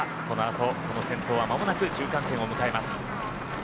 このあと先頭は間もなく中間点を迎えます。